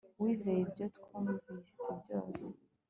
wizeye ibyo twumvise byose